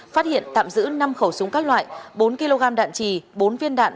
phát hiện tạm giữ năm khẩu súng các loại bốn kg đạn trì bốn viên đạn